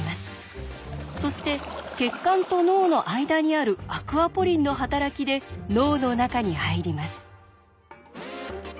そして血管と脳の間にあるアクアポリンの働きで脳の中に入ります。